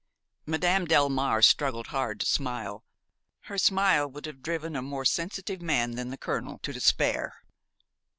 Madame Delmare struggled hard to smile; her smile would have driven a more sensitive man than the colonel to despair.